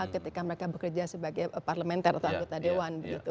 ketika mereka bekerja sebagai parlementer atau anggota dewan